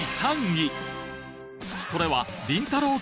それはりんたろー。